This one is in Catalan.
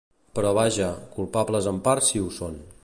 Però vaja, culpables en part sí ho són.